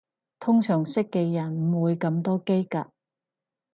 通常識嘅人唔會咁多嘰趷